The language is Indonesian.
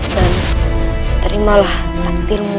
dan terimalah takdirmu